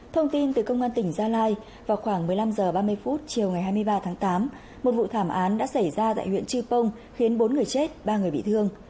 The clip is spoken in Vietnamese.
thông tin từ công an tỉnh gia lai vào khoảng một mươi năm h ba mươi chiều ngày hai mươi ba tháng tám một vụ thảm án đã xảy ra tại huyện chư pông khiến bốn người chết ba người bị thương